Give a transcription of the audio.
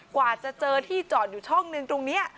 กว่าจะเจอที่จอดอยู่ช่องหนึ่งตรงนี้